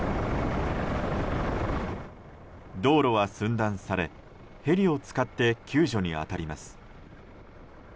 道路は寸断されヘリを使って救助に当たります。